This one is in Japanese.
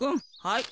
はい。